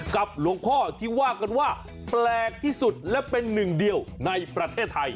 กับหลวงพ่อที่ว่ากันว่าแปลกที่สุดและเป็นหนึ่งเดียวในประเทศไทย